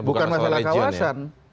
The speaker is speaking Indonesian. bukan masalah kawasan